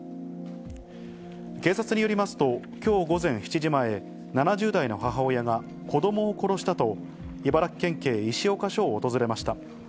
警察によりますと、きょう午前７時前、７０代の母親が子どもを殺したと、茨城県警石岡署を訪れました。